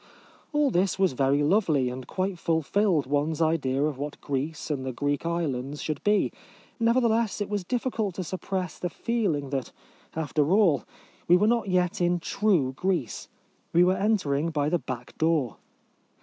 All this was very lovely, and quite fulfilled one's idea of what Greece and the Greek islands should be ; nevertheless it was difficult to suppress the feeling that, after all, we were not yet in true Greece. We were entering by the back door.